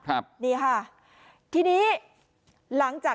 กลุ่มตัวเชียงใหม่